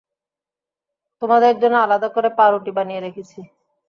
তোমাদের জন্য আলাদা করে পাউরুটি বানিয়ে রেখেছি।